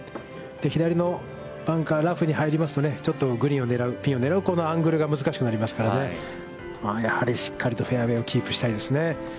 左のバンカー、ラフに入りますと、ちょっとグリーンを狙う、ピンを狙うこのアングルが難しくなりますからね、やっぱりしっかりフェアウェイをキープしたいですね。